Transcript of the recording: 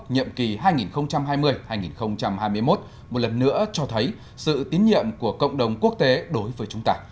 nhiệm kỳ hai nghìn hai mươi hai nghìn hai mươi một một lần nữa cho thấy sự tín nhiệm của cộng đồng quốc tế đối với chúng ta